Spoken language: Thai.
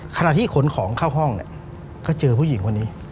ขณะที่ขนของเข้าห้องก็เจอผู้หญิงคนนี้